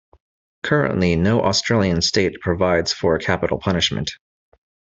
Currently, no Australian state provides for capital punishment.